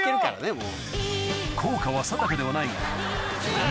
もう。